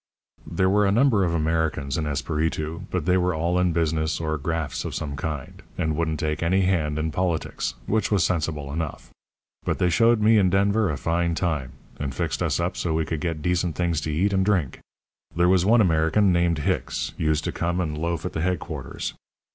"There were a number of Americans in Esperitu, but they were all in business or grafts of some kind, and wouldn't take any hand in politics, which was sensible enough. But they showed me and Denver a fine time, and fixed us up so we could get decent things to eat and drink. There was one American, named Hicks, used to come and loaf at the headquarters.